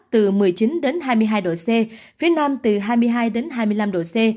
phía bắc từ một mươi chín hai mươi hai độ c phía nam từ hai mươi hai hai mươi năm độ c